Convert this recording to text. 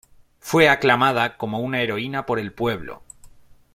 Fue aclamada como una heroína por el pueblo.